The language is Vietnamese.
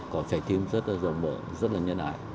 có trẻ tim rất là rộng bộ rất là nhân hại